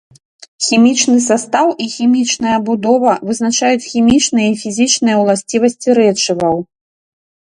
Хімічны састаў і хімічная будова вызначаюць хімічныя і фізічныя ўласцівасці рэчываў.